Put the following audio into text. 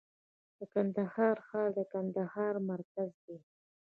د کندهار ښار د کندهار مرکز دی